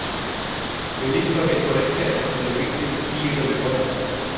எலிப் பகை தொலைக்க, இருந்த வீட்டில் தீயிடல் போல.